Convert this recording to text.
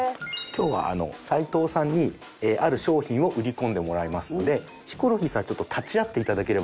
今日は齊藤さんにある商品を売り込んでもらいますのでヒコロヒーさんちょっと立ち会って頂ければと。